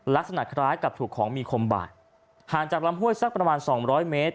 ลักษณะคล้ายกับถูกของมีคมบาดห่างจากลำห้วยสักประมาณสองร้อยเมตร